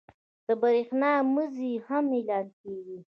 د برېښنا مزي یې هم غلا کېږي.